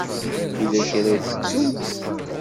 Yella kra i tettumt?